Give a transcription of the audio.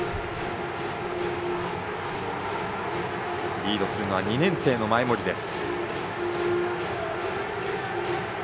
リードするのは２年生の前盛です。